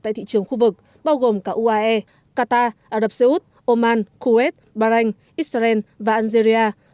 tại thị trường khu vực bao gồm cả uae qatar ả rập xê út oman khuet bahrain israel và algeria